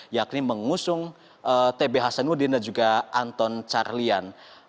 yakni mengusung tb hasanuddin dan juga anton carlian